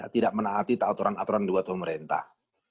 tidak menaati aturan aturan buat pemerintah